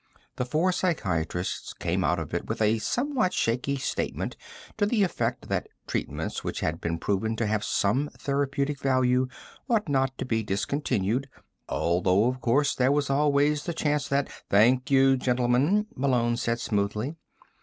The four psychiatrists came out of it with a somewhat shaky statement to the effect that treatments which had been proven to have some therapeutic value ought not to be discontinued, although of course there was always the chance that "Thank you, gentlemen," Malone said smoothly.